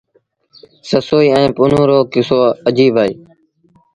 سسئيٚ ائيٚݩ پنهون رو ڪسو اجيب اهي۔